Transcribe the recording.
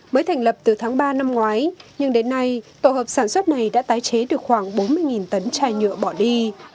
mới thành lập từ tháng ba năm ngoái nhưng đến nay tổ hợp sản xuất này đã tái chế được khoảng bốn mươi tấn chai nhựa bỏ đi